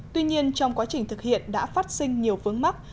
tuy nhiên trong quá trình thực hiện đã phát sinh nhiều vướng mắt